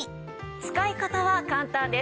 使い方は簡単です。